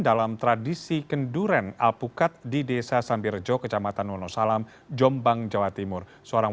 dalam tradisi kenduren apukat di desa sambirjo kecamatan monosalam jombang jawa timur seorang